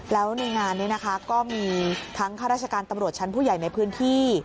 แล้วในงานนี้นะคะก็มีทั้งข้าราชการตำรวจชั้นผู้ใหญ่ในพื้นที่